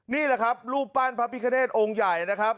นี่แหละครับรูปปั้นพระพิคเนธองค์ใหญ่นะครับ